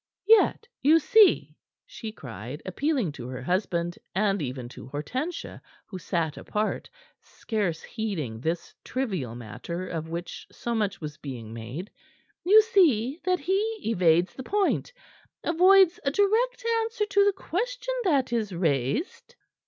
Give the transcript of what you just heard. "Yet, you see," she cried, appealing to her husband, and even to Hortensia, who sat apart, scarce heeding this trivial matter of which so much was being made, "you see that he evades the point, avoids a direct answer to the question that is raised."